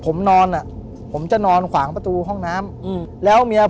ผมก็ไม่เคยเห็นว่าคุณจะมาทำอะไรให้คุณหรือเปล่า